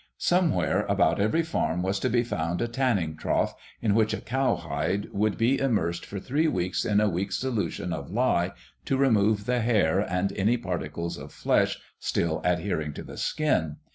Somewhere about every farm was to be found a tanning trough, in which a cowhide would be immersed for three weeks in a weak solution of lye to remove the hair and any particles of flesh still adhering to the skin.